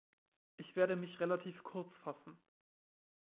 Ich werde mich relativ kurz fassen.